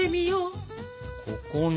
ここに？